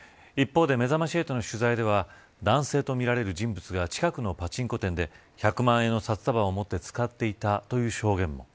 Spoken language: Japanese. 一方で、めざまし８の取材では男性とみられる人物が近くのパチンコ店で１００万円の札束を持って使っていたという証言も。